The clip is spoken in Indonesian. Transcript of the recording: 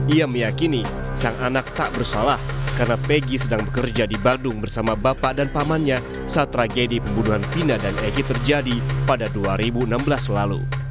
ia meyakini sang anak tak bersalah karena peggy sedang bekerja di badung bersama bapak dan pamannya saat tragedi pembunuhan vina dan egy terjadi pada dua ribu enam belas lalu